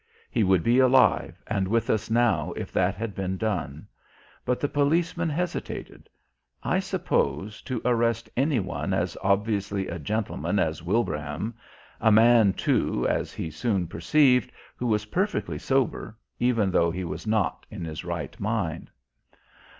He would be alive and with us now if that had been done. But the policeman hesitated, I suppose, to arrest any one as obviously a gentleman as Wilbraham, a man, too, as he soon perceived, who was perfectly sober, even though he was not in his right mind.